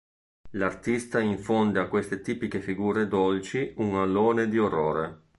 L'artista infonde a queste tipiche figure dolci un alone di orrore.